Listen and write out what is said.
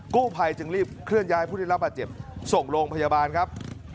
กู้ภัยจึงรีบเคลื่อนย้ายผู้ได้รับบาดเจ็บส่งโรงพยาบาลครับ